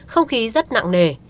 không khí rất nặng nề